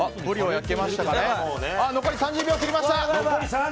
残り３０秒を切りました！